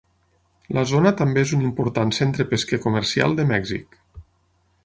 La zona també és un important centre pesquer comercial de Mèxic.